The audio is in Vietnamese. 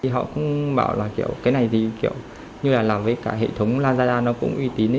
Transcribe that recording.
họ cũng bảo là cái này làm với cả hệ thống lazada nó cũng uy tín